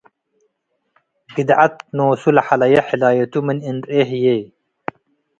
ግድዐት ኖሱ ለሐለየ ሕላየቱ ምን እንረኤ ህዬ።-